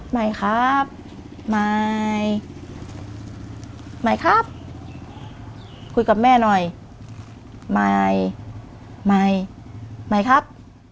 มายครับมายมายครับคุยกับแม่หน่อยมายมายมายครับ